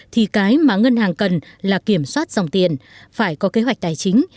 thì cái mà ngân hàng cần là kiểm soát dòng tiền phải có kế hoạch tài chính